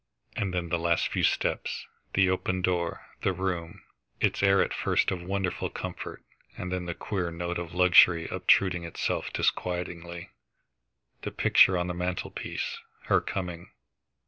And then the last few steps, the open door, the room, its air at first of wonderful comfort, and then the queer note of luxury obtruding itself disquietingly, the picture on the mantelpiece, her coming.